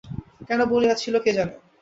কেন বলিয়াছিল কে জানে!